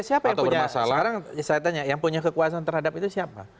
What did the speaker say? iya siapa yang punya kekuasaan terhadap itu siapa